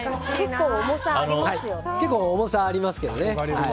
結構重さありますけどね。